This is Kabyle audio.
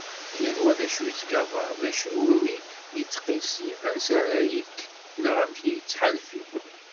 Yal wa d acu yettgabar, d acu iwumi yettqissi, ansa ara yekk neɣ amek yettḥalfi.